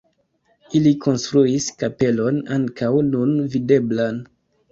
Ili konstruis kapelon ankaŭ nun videblan.